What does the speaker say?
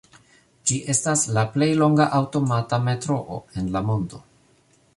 Ĝi estas la plej longa aŭtomata metroo en la mondo.